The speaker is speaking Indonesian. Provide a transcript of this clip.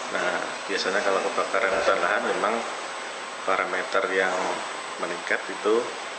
nah biasanya kalau kebakaran hutan lahan memang parameter yang meningkat itu